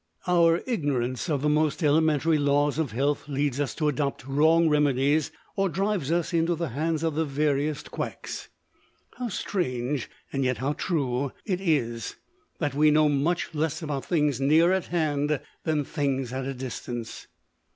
Our ignorance of the most elementary laws of health leads us to adopt wrong remedies or drives us into the hands of the veriest quacks. How strange (and yet how true) it is that we know much less about things near at hand than things at a distance.